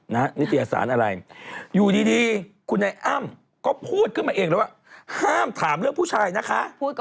นิตยสารอะไรอยู่ดีคุณไอ้อ้ำก็พูดขึ้นมาเองแล้วว่าห้ามถามเรื่องผู้ชายนะคะ